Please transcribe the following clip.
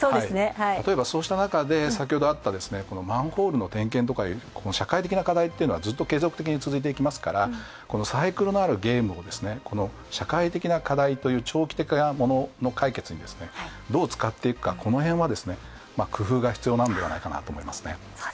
例えば、そうした中で先ほどあった、マンホールの点検とか社会的な課題っていうのはずっと継続的に続いていきますからサイクルのあるゲームを社会的な課題という長期的なものの解決にどう使っていくか、この辺は工夫が必要なんではないかなと思いますね。